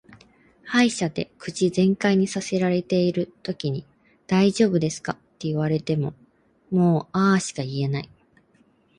歯医者で口全開にさせられてるときに「大丈夫ですか」って言われもも「あー」しか言えない。